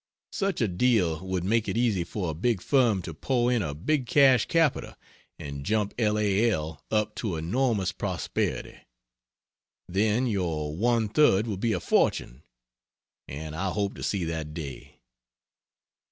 Such a deal would make it easy for a big firm to pour in a big cash capital and jump L. A. L. up to enormous prosperity. Then your one third would be a fortune and I hope to see that day!